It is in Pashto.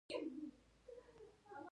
د ریګ دښتې د افغانستان طبعي ثروت دی.